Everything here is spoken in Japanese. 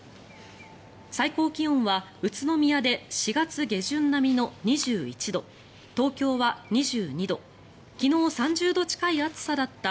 最高気温は宇都宮で４月下旬並みの２１度東京は２２度昨日、３０度近い暑さだった